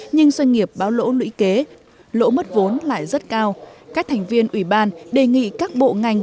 nhưng doanh nghiệp báo lỗ lũy kế lỗ mất vốn lại rất cao các thành viên ủy ban đề nghị các bộ ngành